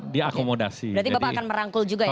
diakomodasi berarti bapak akan merangkul juga ya